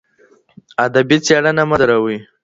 ادبي څېړنه مه دروئ.